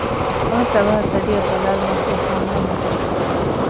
އަވަސް އަވަހަށް ގަޑިއަށް ބަލާލުމަށްފަހު ފުންމައިގެން ތެދުވި